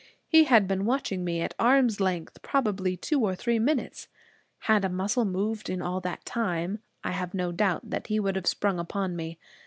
He had been watching me at arm's length probably two or three minutes. Had a muscle moved in all that time, I have no doubt that he would have sprung upon me.